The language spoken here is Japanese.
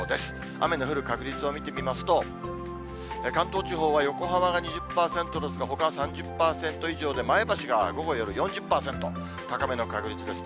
雨の降る確率を見てみますと、関東地方は横浜が２０％ですが、ほかは３０％以上で、前橋が午後、夜４０％、高めの確率ですね。